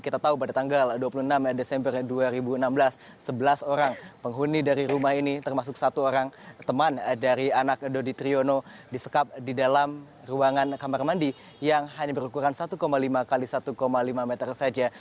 kita tahu pada tanggal dua puluh enam desember dua ribu enam belas sebelas orang penghuni dari rumah ini termasuk satu orang teman dari anak dodi triyono disekap di dalam ruangan kamar mandi yang hanya berukuran satu lima x satu lima meter saja